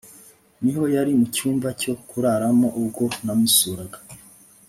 Miho yari mucyumba cyo kuraramo ubwo namusuraga